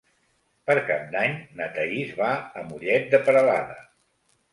Per Cap d'Any na Thaís va a Mollet de Peralada.